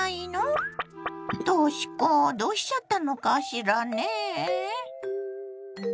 とし子どうしちゃったのかしらねえ？